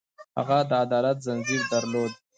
هغه د عدالت ځنځیر درلود.